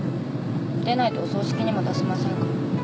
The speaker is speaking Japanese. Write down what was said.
でないとお葬式にも出せませんから。